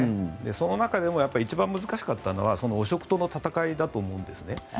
その中でも一番難しかったのは汚職との戦いだと思うんですね。